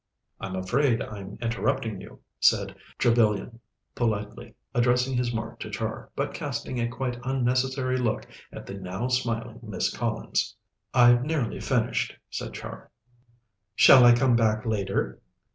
"I'm afraid I'm interrupting you," said Trevellyan politely, addressing his remark to Char, but casting a quite unnecessary look at the now smiling Miss Collins. "I've nearly finished," said Char. "Shall I come back later?"